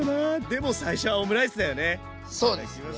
でも最初はオムライスだよね？